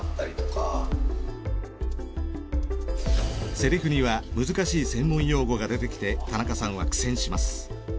セリフには難しい専門用語が出てきて田中さんは苦戦します。